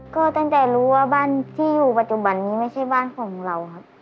ก็ตั้งแต่รู้ว่าบ้านที่อยู่ปัจจุบันนี้ไม่ใช่บ้านของเราครับ